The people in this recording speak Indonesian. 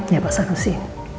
ya pak sanusi